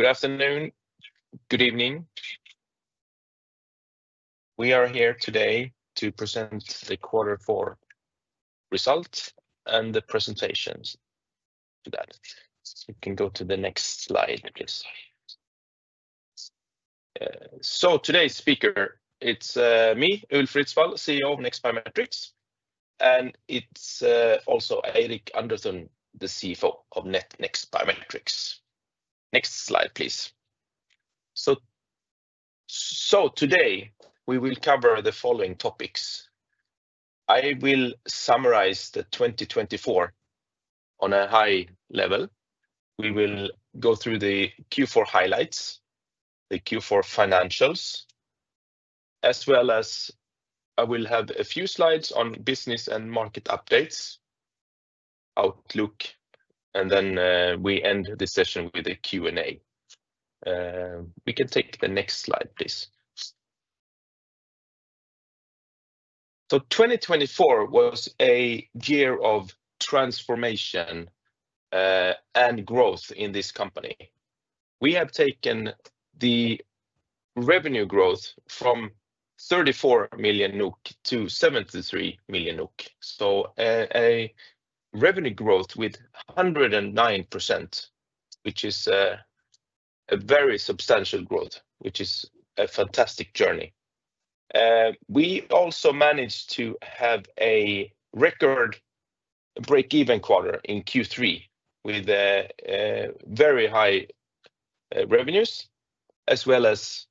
Good afternoon. Good evening. We are here today to present the quarter four results and the presentations. You can go to the next slide, please. Today's speaker, it's me, Ulf Ritsvall, CEO of NEXT Biometrics. And it's also Eirik Underthun, the CFO of NEXT Biometrics. Next slide, please. Today we will cover the following topics. I will summarize the 2024 on a high level. We will go through the Q4 highlights, the Q4 financials, as well as I will have a few slides on business and market updates, outlook, and then we end the session with a Q&A. We can take the next slide, please. 2024 was a year of transformation and growth in this company. We have taken the revenue growth from 34 million NOK to 73 million NOK. A revenue growth with 109%, which is a very substantial growth, which is a fantastic journey. We also managed to have a record break-even quarter in Q3 with very high revenues, as well as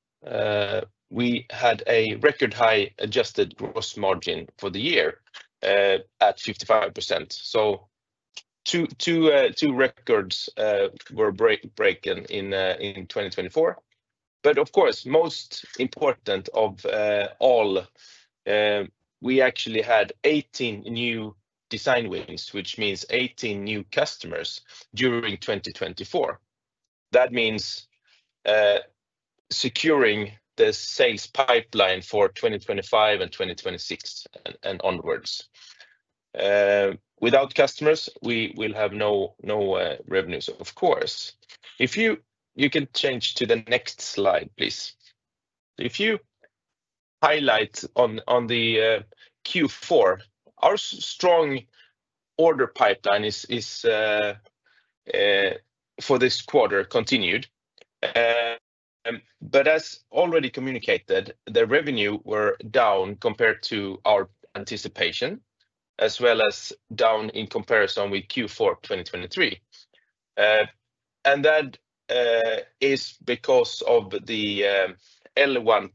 we had a record high adjusted gross margin for the year at 55%. Two records were broken in 2024. Of course, most important of all, we actually had 18 new design wins, which means 18 new customers during 2024. That means securing the sales pipeline for 2025 and 2026 and onwards. Without customers, we will have no revenues, of course. If you can change to the next slide, please. If you highlight on the Q4, our strong order pipeline is for this quarter continued. As already communicated, the revenue were down compared to our anticipation, as well as down in comparison with Q4 2023. That is because of the L1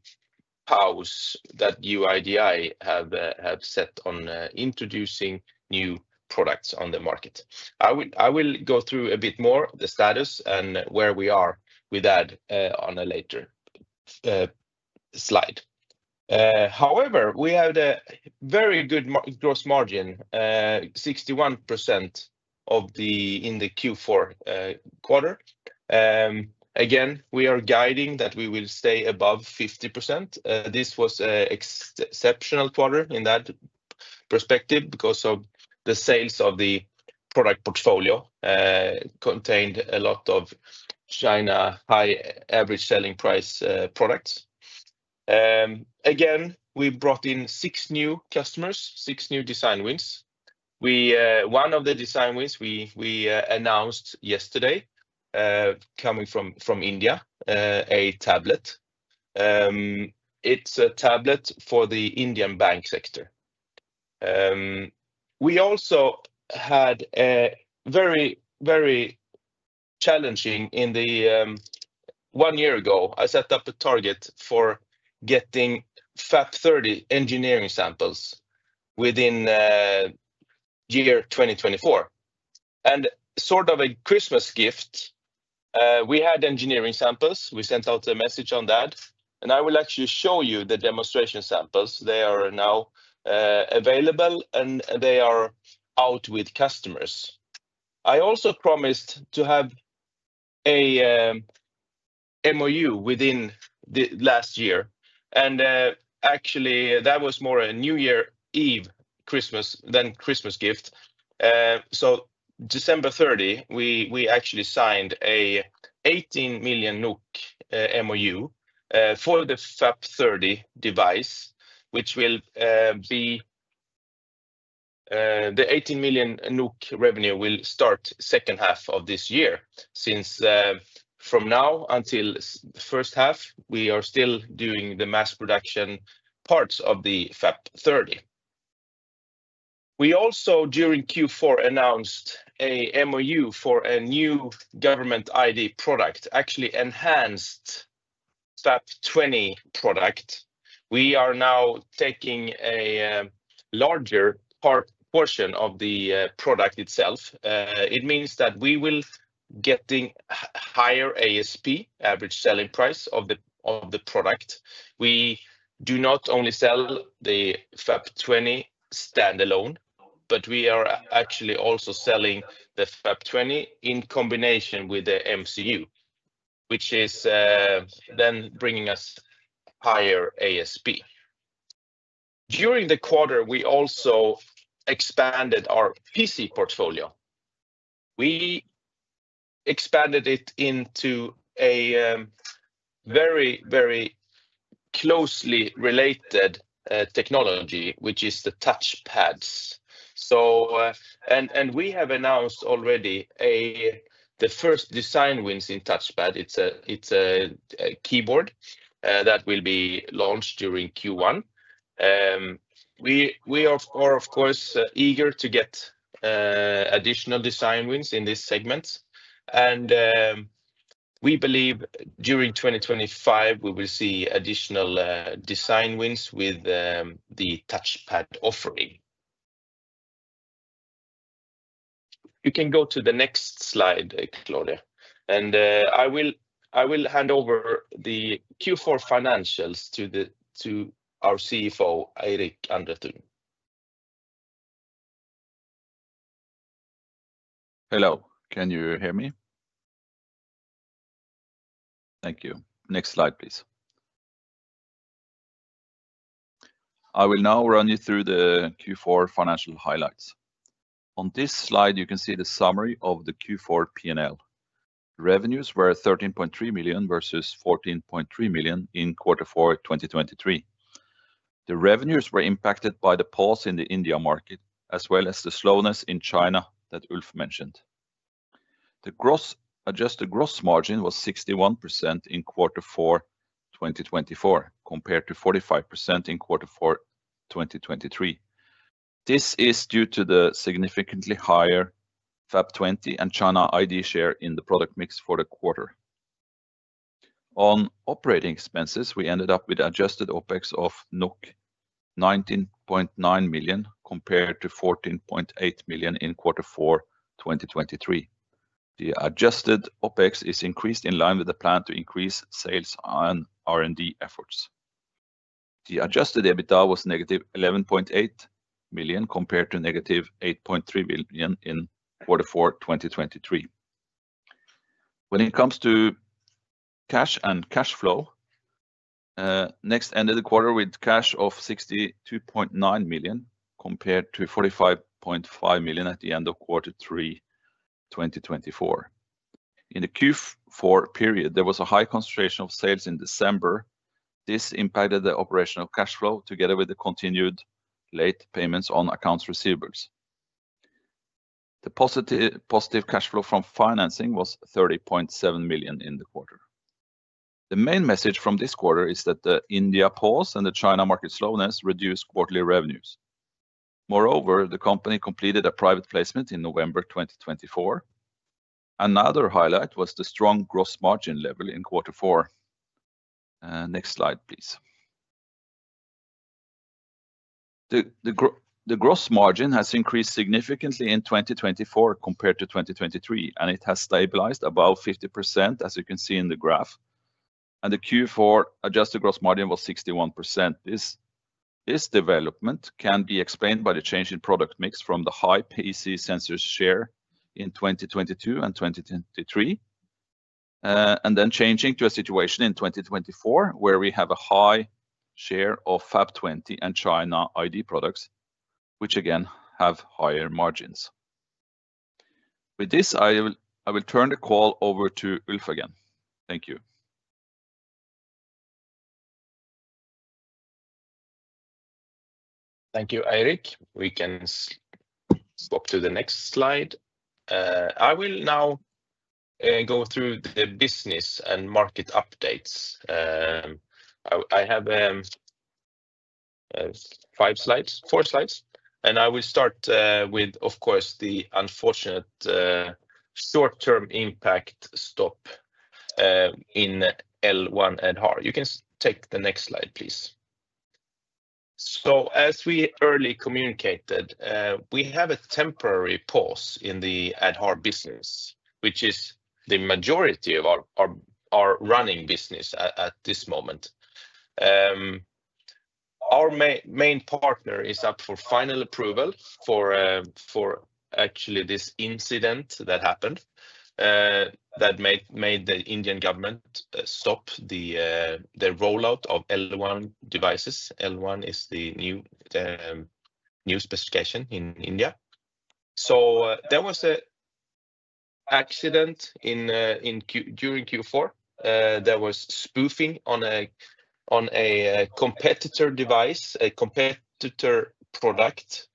pause that UIDAI have set on introducing new products on the market. I will go through a bit more the status and where we are with that on a later slide. However, we have a very good gross margin, 61% in the Q4 quarter. Again, we are guiding that we will stay above 50%. This was an exceptional quarter in that perspective because of the sales of the product portfolio contained a lot of China high average selling price products. Again, we brought in six new customers, six new design wins. One of the design wins we announced yesterday coming from India, a tablet. It's a tablet for the Indian bank sector. We also had a very, very challenging in the one year ago. I set up a target for getting FAP30 engineering samples within year 2024. And sort of a Christmas gift, we had engineering samples. We sent out a message on that. I will actually show you the demonstration samples. They are now available and they are out with customers. I also promised to have an MOU within the last year. Actually, that was more a New Year Eve than Christmas gift. December 30, we actually signed an 18 million NOK MOU for the FAP30 device, which will be the 18 million NOK revenue that will start second half of this year since from now until the first half, we are still doing the mass production parts of the FAP30. We also, during Q4, announced an MOU for a new government ID product, actually enhanced FAP20 product. We are now taking a larger portion of the product itself. It means that we will get a higher ASP, average selling price of the product. We do not only sell the FAP20 standalone, but we are actually also selling the FAP20 in combination with the MCU, which is then bringing us higher ASP. During the quarter, we also expanded our PC portfolio. We expanded it into a very, very closely related technology, which is the touchpads. We have announced already the first design wins in touchpad. It is a keyboard that will be launched during Q1. We are, of course, eager to get additional design wins in this segment. We believe during 2025, we will see additional design wins with the touchpad offering. You can go to the next slide, Claudia. I will hand over the Q4 financials to our CFO, Eirik Underthun. Hello. Can you hear me? Thank you. Next slide, please. I will now run you through the Q4 financial highlights. On this slide, you can see the summary of the Q4 P&L. Revenues were 13.3 million versus 14.3 million in quarter four 2023. The revenues were impacted by the pause in the India market, as well as the slowness in China that Ulf mentioned. The adjusted gross margin was 61% in quarter four 2024, compared to 45% in quarter four 2023. This is due to the significantly higher FAP20 and China ID share in the product mix for the quarter. On operating expenses, we ended up with adjusted OpEx of 19.9 million compared to 14.8 million in quarter four 2023. The adjusted OpEx is increased in line with the plan to increase sales and R&D efforts. The adjusted EBITDA was -11.8 million compared to -8.3 million in quarter four 2023. When it comes to cash and cash flow, Next ended the quarter with cash of 62.9 million compared to 45.5 million at the end of quarter three 2024. In the Q4 period, there was a high concentration of sales in December. This impacted the operational cash flow together with the continued late payments on accounts receivables. The positive cash flow from financing was 30.7 million in the quarter. The main message from this quarter is that the India pause and the China market slowness reduced quarterly revenues. Moreover, the company completed a private placement in November 2024. Another highlight was the strong gross margin level in quarter four. Next slide, please. The gross margin has increased significantly in 2024 compared to 2023, and it has stabilized above 50%, as you can see in the graph. The Q4 adjusted gross margin was 61%. This development can be explained by the change in product mix from the high PC sensors share in 2022 and 2023, and then changing to a situation in 2024 where we have a high share of FAP20 and China ID products, which again have higher margins. With this, I will turn the call over to Ulf again. Thank you. Thank you, Eirik. We can swap to the next slide. I will now go through the business and market updates. I have five slides, four slides, and I will start with, of course, the unfortunate short-term impact stop in L1 Aadhaar. You can take the next slide, please. As we early communicated, we have a temporary pause in the Aadhaar business, which is the majority of our running business at this moment. Our main partner is up for final approval for actually this incident that happened that made the Indian government stop the rollout of L1 devices. L1 is the new specification in India. There was an accident during Q4. There was spoofing on a competitor device, a competitor product,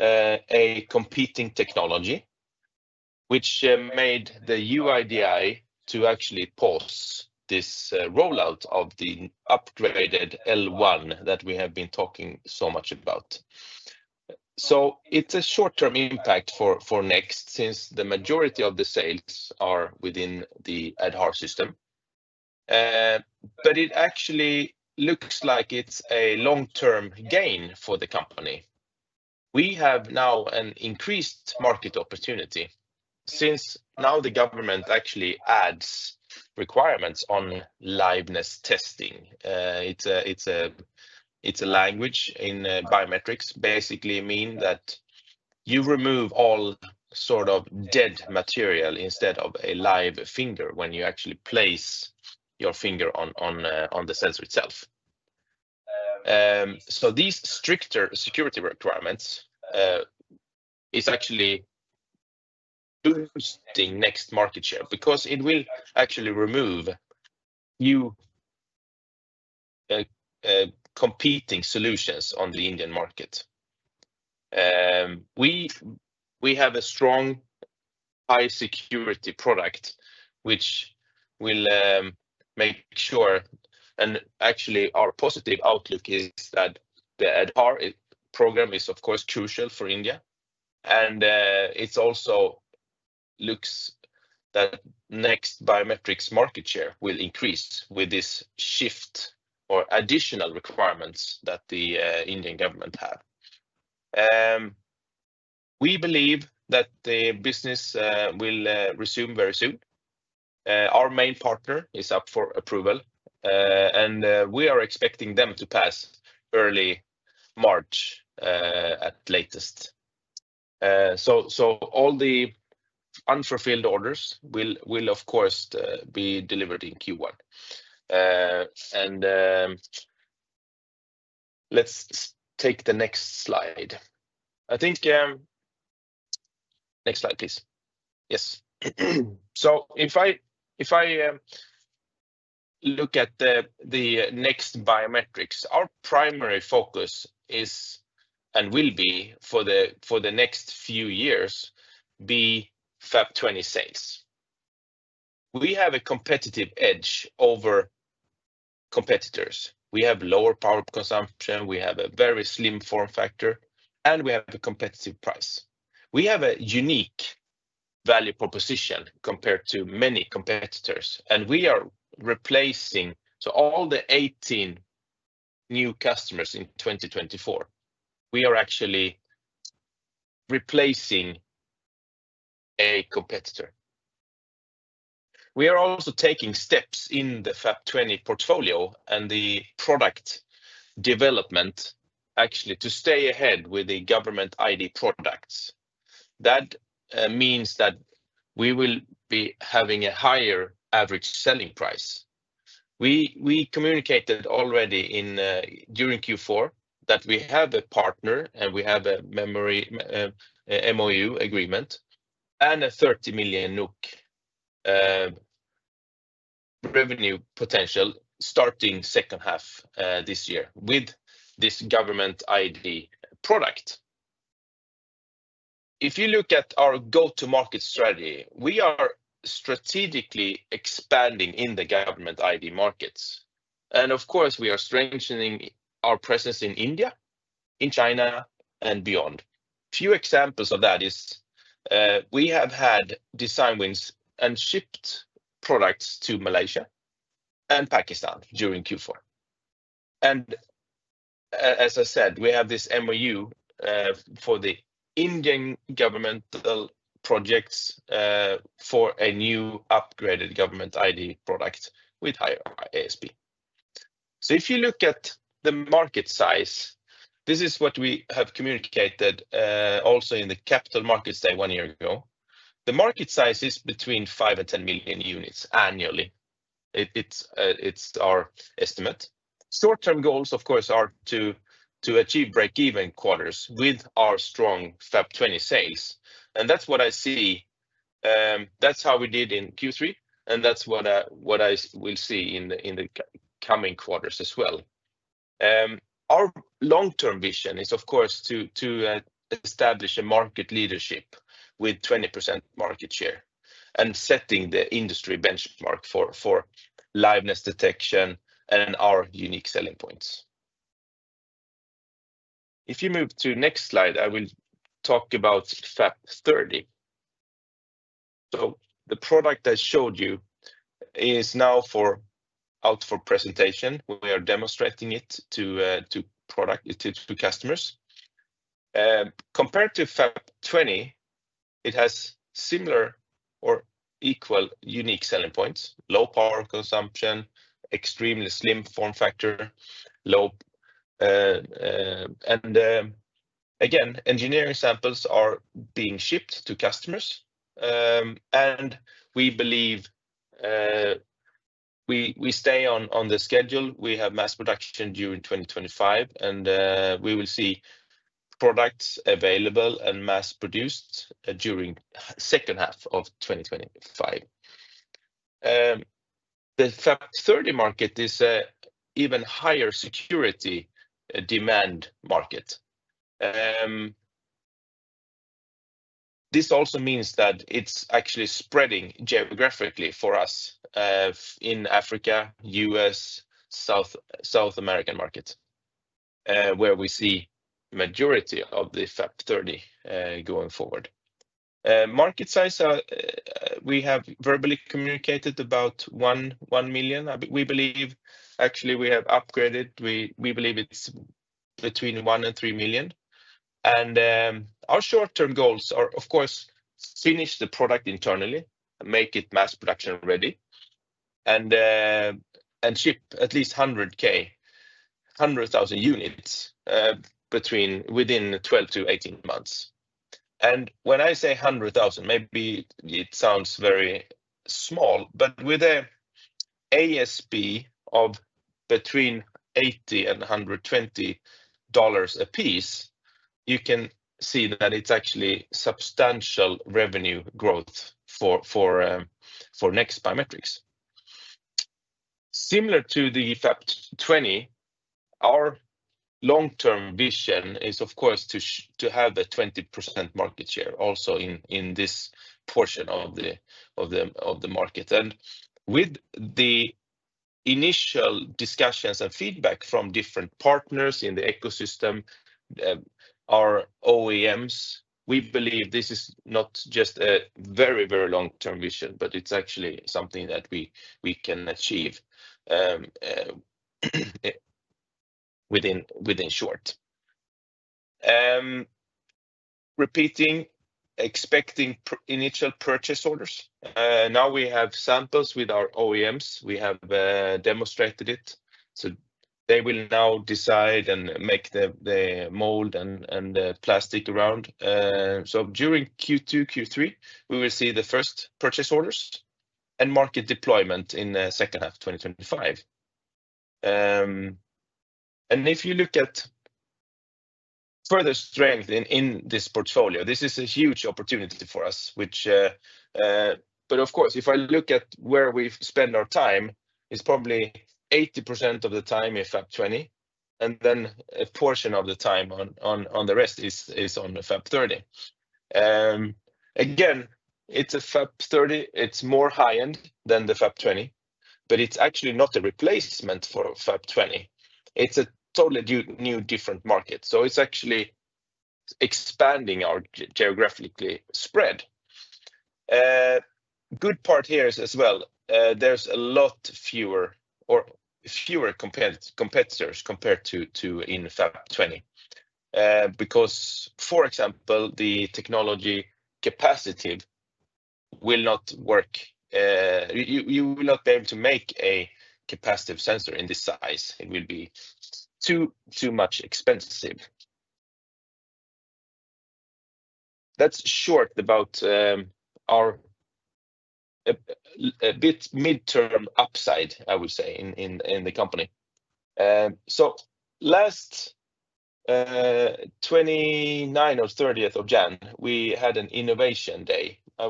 a competing technology, which made the UIDAI to actually pause this rollout of the upgraded L1 that we have been talking so much about. It's a short-term impact for NEXT since the majority of the sales are within the Aadhaar system. It actually looks like it's a long-term gain for the company. We have now an increased market opportunity since now the government actually adds requirements on liveness testing. It's a language in biometrics basically means that you remove all sort of dead material instead of a live finger when you actually place your finger on the sensor itself. These stricter security requirements are actually boosting NEXT market share because it will actually remove new competing solutions on the Indian market. We have a strong high security product, which will make sure and actually our positive outlook is that the Aadhaar program is, of course, crucial for India. It also looks that NEXT Biometrics market share will increase with this shift or additional requirements that the Indian government have. We believe that the business will resume very soon. Our main partner is up for approval, and we are expecting them to pass early March at latest. All the unfulfilled orders will, of course, be delivered in Q1. Let's take the next slide. I think next slide, please. Yes. If I look at NEXT Biometrics, our primary focus is and will be for the next few years be FAP20 sales. We have a competitive edge over competitors. We have lower power consumption. We have a very slim form factor, and we have a competitive price. We have a unique value proposition compared to many competitors. We are replacing all the 18 new customers in 2024. We are actually replacing a competitor. We are also taking steps in the FAP20 portfolio and the product development actually to stay ahead with the government ID products. That means that we will be having a higher average selling price. We communicated already during Q4 that we have a partner and we have a memory MOU agreement and a 30 million NOK revenue potential starting second half this year with this government ID product. If you look at our go-to-market strategy, we are strategically expanding in the government ID markets. Of course, we are strengthening our presence in India, in China, and beyond. Few examples of that is we have had design wins and shipped products to Malaysia and Pakistan during Q4. As I said, we have this MOU for the Indian governmental projects for a new upgraded government ID product with higher ASP. If you look at the market size, this is what we have communicated also in the Capital Markets Day one year ago. The market size is between 5 million and 10 million units annually. It's our estimate. Short-term goals, of course, are to achieve break-even quarters with our strong FAP20 sales. That's what I see. That's how we did in Q3, and that's what I will see in the coming quarters as well. Our long-term vision is, of course, to establish a market leadership with 20% market share and setting the industry benchmark for liveness detection and our unique selling points. If you move to the next slide, I will talk about FAP30. The product I showed you is now out for presentation. We are demonstrating it to customers. Compared to FAP20, it has similar or equal unique selling points: low power consumption, extremely slim form factor. Again, engineering samples are being shipped to customers. We believe we stay on the schedule. We have mass production during 2025, and we will see products available and mass produced during the second half of 2025. The FAP30 market is an even higher security demand market. This also means that it's actually spreading geographically for us in Africa, U.S., South American markets, where we see the majority of the FAP30 going forward. Market size, we have verbally communicated about 1 million units. We believe, actually, we have upgraded. We believe it's between 1 million and 3 million units. Our short-term goals are, of course, finish the product internally, make it mass production ready, and ship at least 100,000 units within 12 months-18 months. When I say 100,000 units, maybe it sounds very small, but with an ASP of between $80 and $120 a piece, you can see that it is actually substantial revenue growth for NEXT Biometrics. Similar to the FAP20, our long-term vision is, of course, to have a 20% market share also in this portion of the market. With the initial discussions and feedback from different partners in the ecosystem, our OEMs, we believe this is not just a very, very long-term vision, but it is actually something that we can achieve within short. Repeating, expecting initial purchase orders. Now we have samples with our OEMs. We have demonstrated it. They will now decide and make the mold and the plastic around. During Q2, Q3, we will see the first purchase orders and market deployment in the second half of 2025. If you look at further strength in this portfolio, this is a huge opportunity for us. Of course, if I look at where we spend our time, it's probably 80% of the time in FAP20, and then a portion of the time on the rest is on FAP30. Again, it's a FAP30. It's more high-end than the FAP20, but it's actually not a replacement for FAP20. It's a totally new different market. It's actually expanding our geographically spread. Good part here is as well, there's a lot fewer competitors compared to in FAP20 because, for example, the technology capacitive will not work. You will not be able to make a capacitive sensor in this size. It will be too much expensive. That's short about our midterm upside, I would say, in the company. Last 29 or 30th of January, we had an Innovation Day. I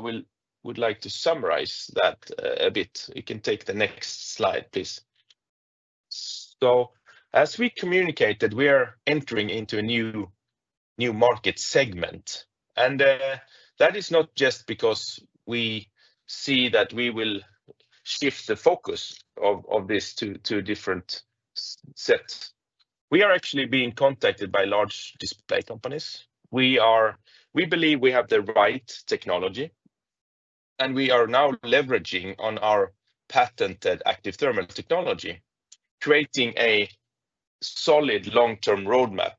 would like to summarize that a bit. You can take the next slide, please. As we communicated, we are entering into a new market segment. That is not just because we see that we will shift the focus of this to different sets. We are actually being contacted by large display companies. We believe we have the right technology, and we are now leveraging on our patented active thermal technology, creating a solid long-term roadmap,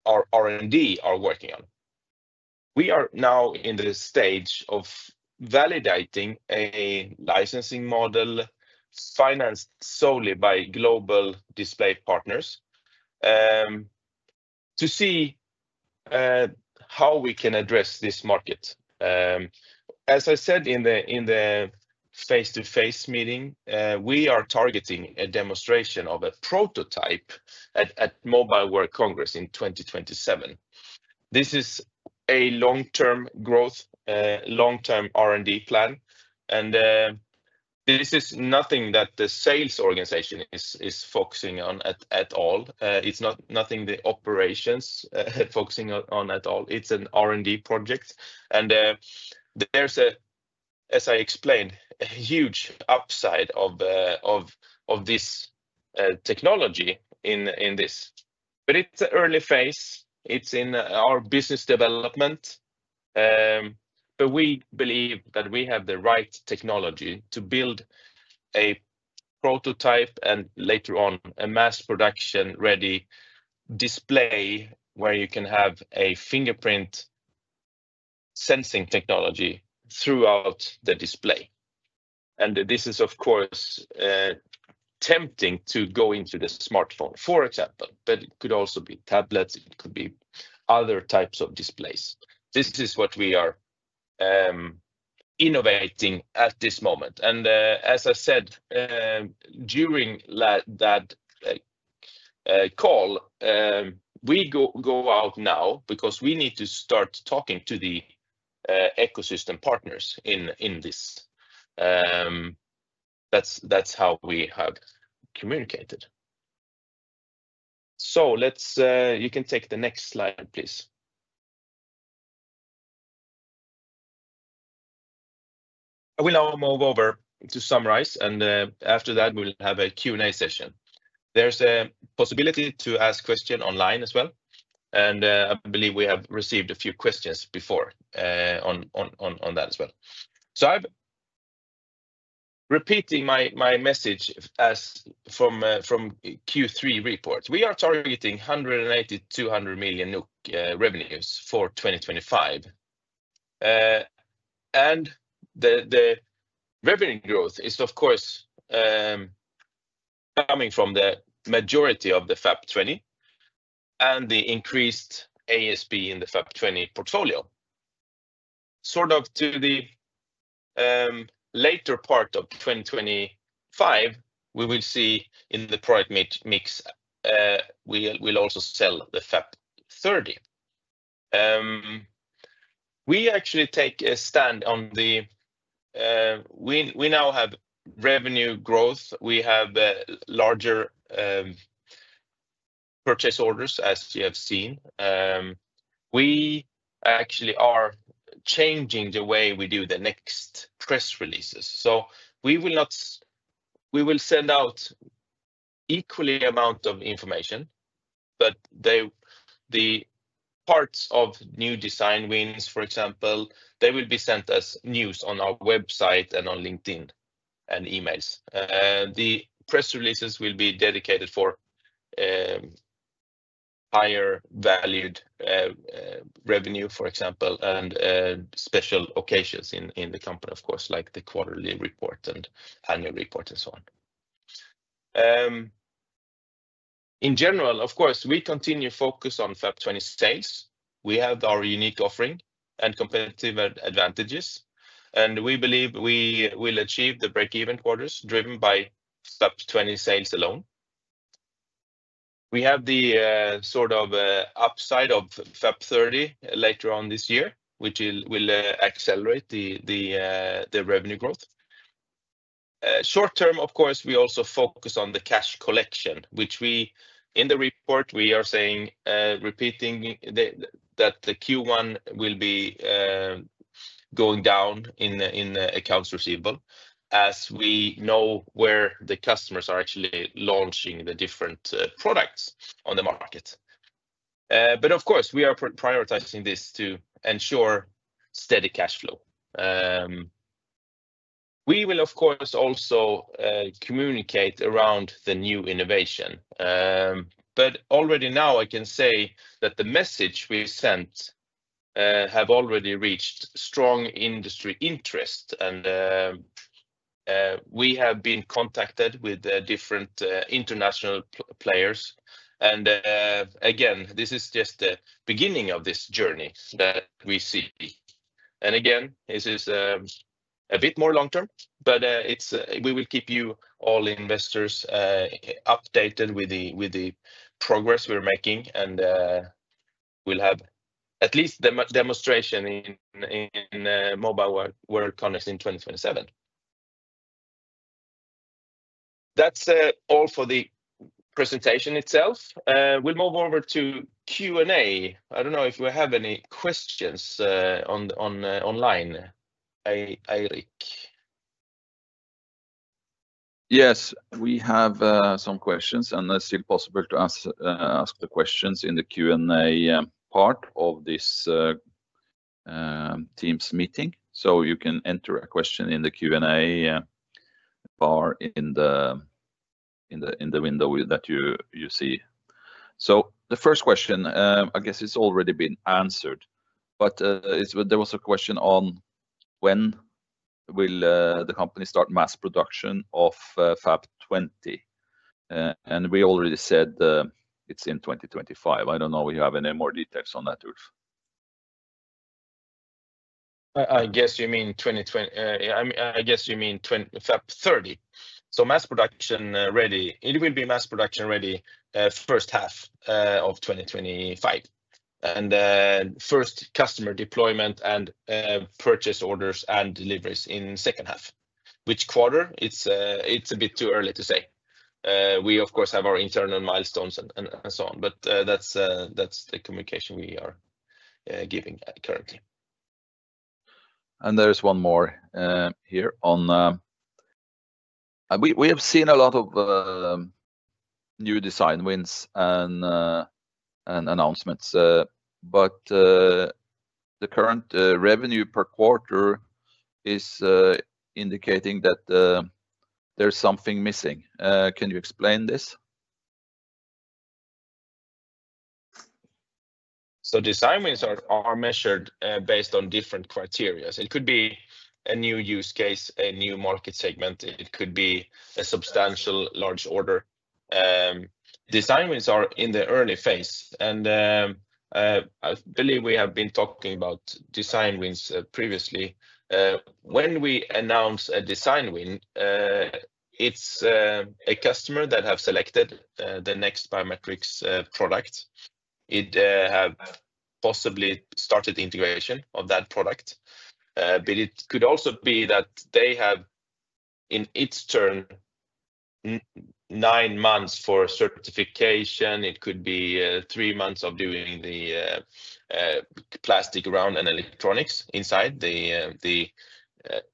a technology roadmap for this piece that we actually are R&D are working on. We are now in the stage of validating a licensing model financed solely by global display partners to see how we can address this market. As I said in the face-to-face meeting, we are targeting a demonstration of a prototype at Mobile World Congress in 2027. This is a long-term growth, long-term R&D plan. This is nothing that the sales organization is focusing on at all. It is nothing the operations are focusing on at all. It is an R&D project. As I explained, there is a huge upside of this technology in this. It is an early phase. It is in our business development. We believe that we have the right technology to build a prototype and later on a mass production ready display where you can have a fingerprint sensing technology throughout the display. This is, of course, tempting to go into the smartphone, for example, but it could also be tablets. It could be other types of displays. This is what we are innovating at this moment. As I said during that call, we go out now because we need to start talking to the ecosystem partners in this. That is how we have communicated. You can take the next slide, please. I will now move over to summarize, and after that, we'll have a Q&A session. There is a possibility to ask questions online as well. I believe we have received a few questions before on that as well. I'm repeating my message from the Q3 report. We are targeting 180 million-200 million revenues for 2025. The revenue growth is, of course, coming from the majority of the FAP20 and the increased ASP in the FAP20 portfolio. Toward the later part of 2025, we will see in the product mix, we'll also sell the FAP30. We actually take a stand on the we now have revenue growth. We have larger purchase orders, as you have seen. We actually are changing the way we do the next press releases. We will send out an equal amount of information, but the parts of new design wins, for example, they will be sent as news on our website and on LinkedIn and emails. The press releases will be dedicated for higher valued revenue, for example, and special occasions in the company, of course, like the quarterly report and annual report and so on. In general, of course, we continue to focus on FAP20 sales. We have our unique offering and competitive advantages. We believe we will achieve the break-even quarters driven by FAP20 sales alone. We have the sort of upside of FAP30 later on this year, which will accelerate the revenue growth. Short-term, of course, we also focus on the cash collection, which in the report, we are saying repeating that the Q1 will be going down in accounts receivable as we know where the customers are actually launching the different products on the market. Of course, we are prioritizing this to ensure steady cash flow. We will, of course, also communicate around the new innovation. Already now, I can say that the message we sent has already reached strong industry interest. We have been contacted with different international players. This is just the beginning of this journey that we see. This is a bit more long-term, but we will keep you all investors updated with the progress we're making. We will have at least the demonstration in Mobile World Congress in 2027. That's all for the presentation itself. We'll move over to Q&A. I don't know if we have any questions online, Eirik. Yes, we have some questions, and it's still possible to ask the questions in the Q&A part of this Teams meeting. You can enter a question in the Q&A bar in the window that you see. The first question, I guess, has already been answered, but there was a question on when will the company start mass production of FAP20. We already said it's in 2025. I don't know if you have any more details on that, Ulf. I guess you mean FAP30. Mass production ready, it will be mass production ready first half of 2025. First customer deployment and purchase orders and deliveries in second half. Which quarter? It's a bit too early to say. We, of course, have our internal milestones and so on, but that's the communication we are giving currently. There is one more here on we have seen a lot of new design wins and announcements, but the current revenue per quarter is indicating that there's something missing. Can you explain this? Design wins are measured based on different criteria. It could be a new use case, a new market segment. It could be a substantial large order. Design wins are in the early phase. I believe we have been talking about design wins previously. When we announce a design win, it's a customer that has selected the NEXT Biometrics product. It has possibly started integration of that product. It could also be that they have, in its turn, nine months for certification. It could be three months of doing the plastic round and electronics inside, the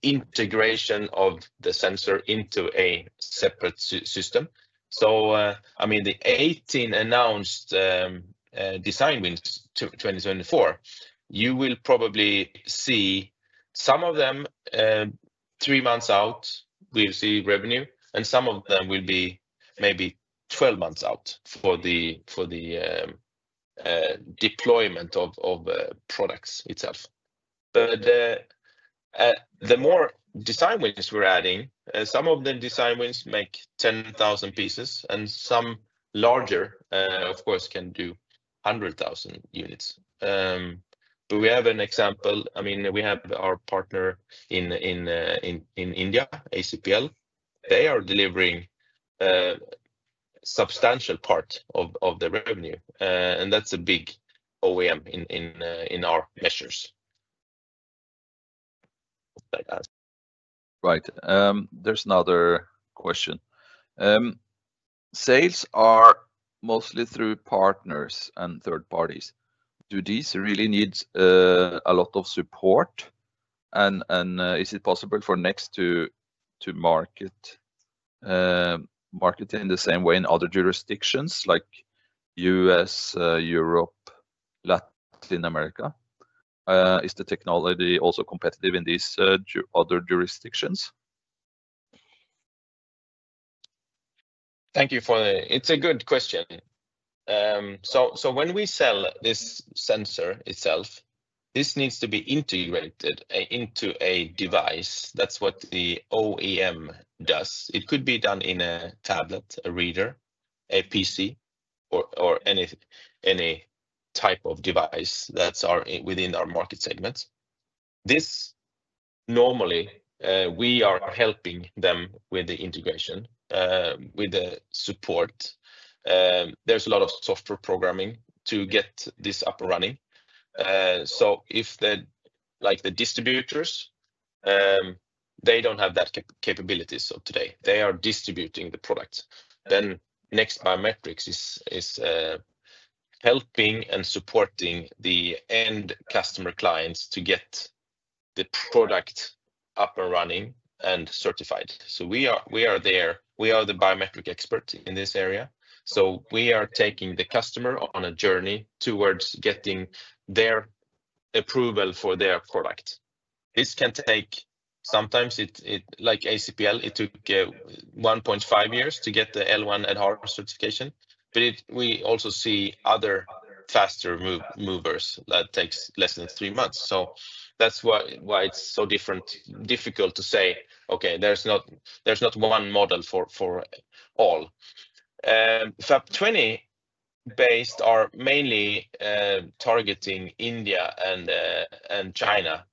integration of the sensor into a separate system. I mean, the 18 announced design wins 2024, you will probably see some of them three months out, we'll see revenue, and some of them will be maybe 12 months out for the deployment of products itself. The more design wins we're adding, some of the design wins make 10,000 pieces, and some larger, of course, can do 100,000 units. We have an example. I mean, we have our partner in India, ACPL. They are delivering a substantial part of the revenue. That's a big OEM in our measures. Right. There's another question. Sales are mostly through partners and third parties. Do these really need a lot of support? Is it possible for NEXT to market in the same way in other jurisdictions like U.S., Europe, Latin America? Is the technology also competitive in these other jurisdictions? Thank you for the—it's a good question. When we sell this sensor itself, this needs to be integrated into a device. That's what the OEM does. It could be done in a tablet, a reader, a PC, or any type of device that's within our market segments. Normally, we are helping them with the integration, with the support. There's a lot of software programming to get this up and running. If the distributors, they don't have that capability of today, they are distributing the product. NEXT Biometrics is helping and supporting the end customer clients to get the product up and running and certified. We are there. We are the biometric expert in this area. We are taking the customer on a journey towards getting their approval for their product. This can take sometimes, like ACPL, it took 1.5 years to get the L1 at Aadhaar certification. We also see other faster movers that take less than three months. That is why it is so difficult to say, "Okay, there is not one model for all." FAP20-based are mainly targeting India and China.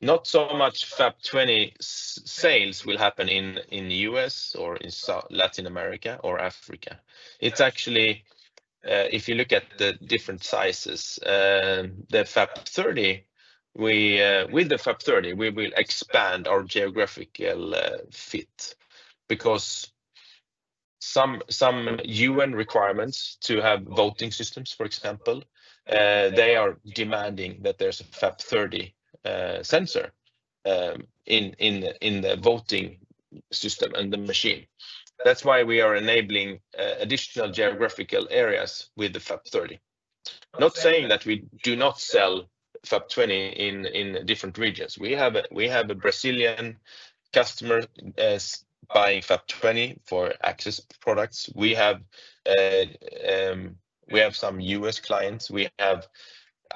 Not so much FAP20 sales will happen in the U.S. or in Latin America or Africa. Actually, if you look at the different sizes, the FAP30, with the FAP30, we will expand our geographical fit because some UN requirements to have voting systems, for example, they are demanding that there is a FAP30 sensor in the voting system and the machine. That is why we are enabling additional geographical areas with the FAP30. Not saying that we do not sell FAP20 in different regions. We have a Brazilian customer buying FAP20 for access products. We have some U.S. clients. We have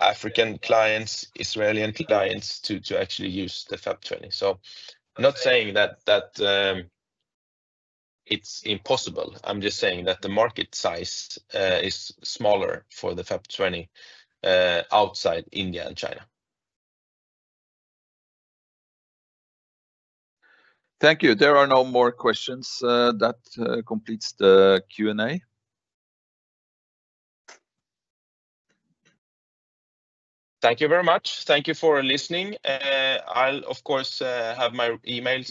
African clients, Israeli clients to actually use the FAP20. I am not saying that it is impossible. I am just saying that the market size is smaller for the FAP20 outside India and China. Thank you. There are no more questions. That completes the Q&A. Thank you very much. Thank you for listening. I will, of course, have my email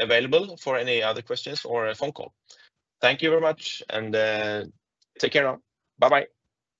available for any other questions or a phone call. Thank you very much, and take care now. Bye-bye.